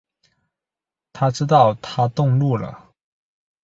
他知道她动怒了